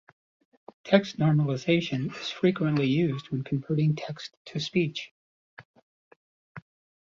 Text normalization is frequently used when converting text to speech.